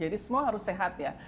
jadi semua harus sehat ya